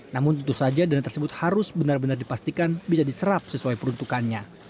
namun tentu saja dana tersebut harus benar benar dipastikan bisa diserap sesuai peruntukannya